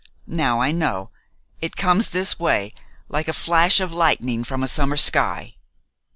Now I know. It comes this way, like a flash of lightning from a summer sky."